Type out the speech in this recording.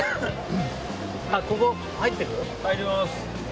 入ります。